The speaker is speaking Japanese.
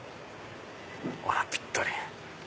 ほらぴったり。